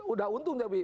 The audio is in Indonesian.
udah untung tapi